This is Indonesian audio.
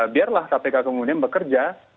biarlah kpk kemudian bekerja